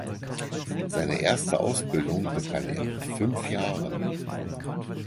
Seine erste Ausbildung begann er mit fünf Jahren.